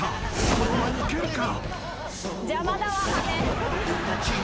これはいけるか？］